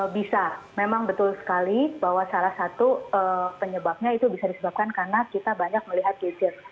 bisa memang betul sekali bahwa salah satu penyebabnya itu bisa disebabkan karena kita banyak melihat gadget